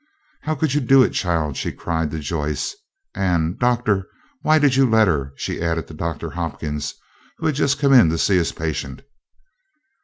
"How could you do it, child?" she cried to Joyce; and "Doctor, why did you let her?" she added to Doctor Hopkins, who had just come in to see his patient.